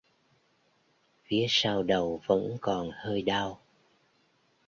Phía sau đầu vẫn còn hơi đau